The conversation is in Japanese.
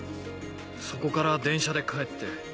そこから電車で帰って。